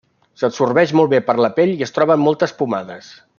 S'absorbeix molt bé per la pell i es troba en moltes pomades.